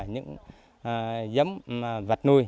những giấm vật nuôi